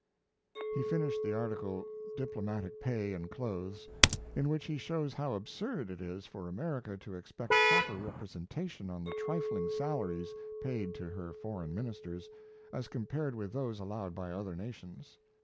He finished the article "Diplomatic Pay and Clothes" in which he shows how absurd it is for America to expect proper representation on the trifling salaries paid to her foreign ministers, as compared with those allowed by other nations.